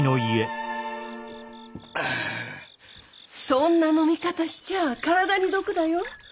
そんな飲み方しちゃ体に毒だよ。